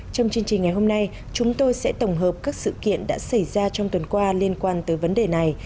trong chương trình ngày hôm nay chúng tôi sẽ tổng hợp các sự kiện đã xảy ra trong tuần qua liên quan tới vấn đề này